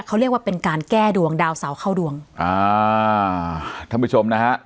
เขาเรียกว่าเป็นการแก้ดวงดาวเสาเข้าดวงอ่าท่านผู้ชมนะฮะ